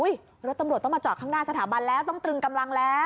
รถตำรวจต้องมาจอดข้างหน้าสถาบันแล้วต้องตรึงกำลังแล้ว